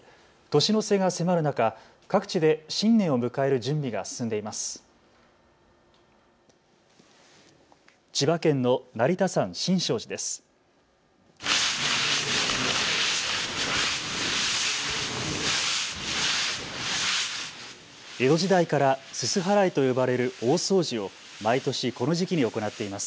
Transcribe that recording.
年の瀬が迫る中、各地で新年を迎える準備が進んでいます。